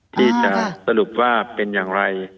ที่จะสรุปว่าเป็นอย่างไร